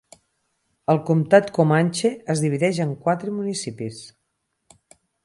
El comtat Comanche es divideix en quatre municipis.